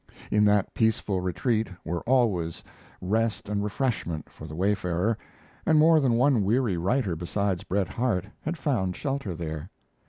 In that peaceful retreat were always rest and refreshment for the wayfarer, and more than one weary writer besides Bret Harte had found shelter there.